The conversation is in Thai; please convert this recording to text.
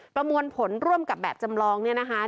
ประมวลผลร่วมกับแบบจำลอง